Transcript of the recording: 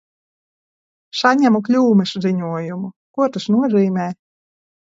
Saņemu kļūmes ziņojumu. Ko tas nozīmē?